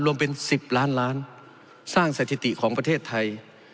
รวมเป็น๑๐ล้านล้านสร้างสถิติของประเทศไทย